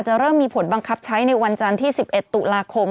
เริ่มมีผลบังคับใช้ในวันจันทร์ที่๑๑ตุลาคม